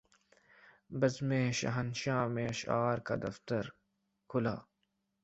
بزم شاہنشاہ میں اشعار کا دفتر کھلا